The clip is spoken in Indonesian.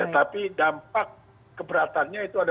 tapi dampak keberatannya itu ada